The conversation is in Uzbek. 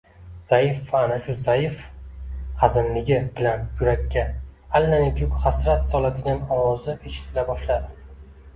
zaif va ana shu zaif-hazinligi bilan yurakka allanechuk hasrat soladigan ovozi eshitila boshladi: